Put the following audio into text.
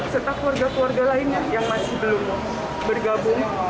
serta keluarga keluarga lainnya yang masih belum bergabung